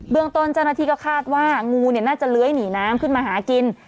เบื้องต้นเจ้าหน้าที่ก็คาดว่างูเนี่ยน่าจะเล้ยหนีน้ำขึ้นมาหากิน